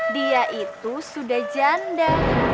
dia itu sudah janda